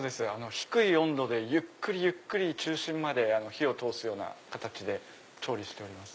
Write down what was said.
低い温度でゆっくりゆっくり中心まで火を通すような形で調理しております。